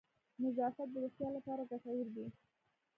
نظافت د روغتیا لپاره گټور دی.